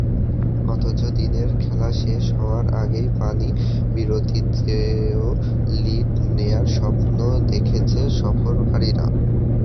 অথচ দিনের খেলা শেষ হওয়ার আগের পানিবিরতিতেও লিড নেওয়ার স্বপ্ন দেখেছে সফরকারীরা।